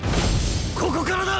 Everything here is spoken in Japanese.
ここからだ！